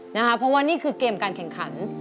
เพราะว่านี่คือเกมการแข่งขัน